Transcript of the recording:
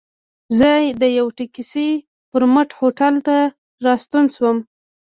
زه د یوه ټکسي پر مټ هوټل ته راستون شوم.